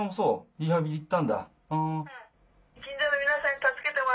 リハビリ行ったんだ。